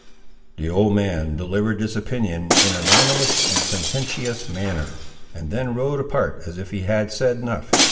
The old man delivered this opinion in an ominous and sententious manner, and then rode apart as if he had said enough.